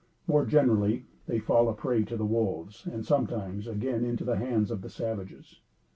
More generally, they fall a prey to the wolves, and sometimes, again into the hands of the savages.